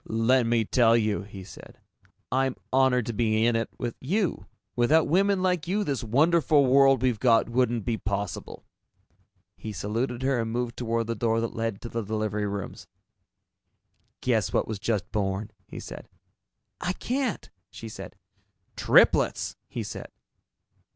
"Let me tell you," he said, "I'm honored to be in it with you. Without women like you, this wonderful world we've got wouldn't be possible." He saluted her and moved toward the door that led to the delivery rooms. "Guess what was just born," he said. "I can't," she said. "Triplets!" he said.